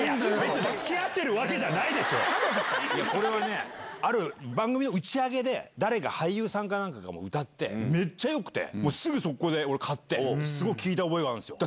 つきあってるわけじゃないでいや、これはね、ある番組の打ち上げで、誰か俳優さんかなんかが歌って、めっちゃよくて、もうすぐ速攻で買って、すごく聴いた覚えがあるんですよ。